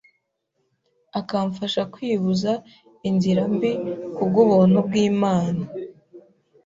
akamfasha kwibuza inzira mbi ku bw’ubuntu bw’Imana